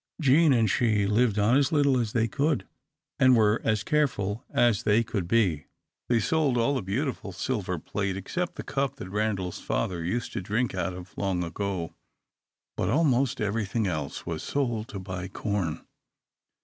Jean and she lived on as little as they could, and were as careful as they could be. They sold all the beautiful silver plate, except the cup that Randal's father used to drink out of long ago. But almost everything else was sold to buy corn.